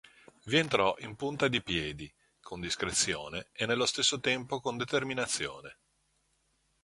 Vi entrò in punta di piedi, con discrezione e, nello stesso tempo, con determinazione.